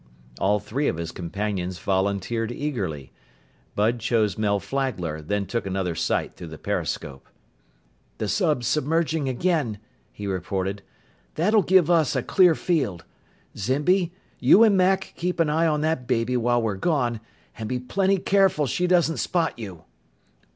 All three of his companions volunteered eagerly. Bud chose Mel Flagler, then took another sight through the periscope. "The sub's submerging again," he reported. "That'll give us a clear field. Zimby, you and Mack keep an eye on that baby while we're gone, and be plenty careful she doesn't spot you!"